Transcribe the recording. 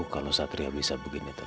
sai terima kasih